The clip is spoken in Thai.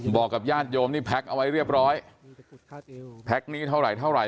อ๋อบอกกับญาติโยมนี้แพลคเผาไว้เรียบร้อยแพลคนี้เท่าไหร่เท่าไร